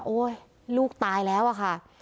โอ๊ยลูกตายแล้วค่ะ